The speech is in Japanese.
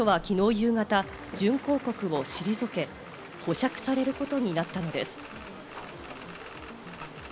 夕方、準抗告を退け、保釈されることになったのです。